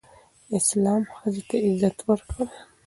اسلام ښځې ته عزت ورکړی